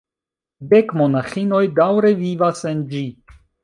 Dek monaĥinoj daŭre vivas en ĝi.